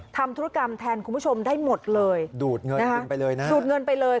ทำธุรกรรมแทนคุณผู้ชมได้หมดเลยดูดเงินกินไปเลยนะดูดเงินไปเลย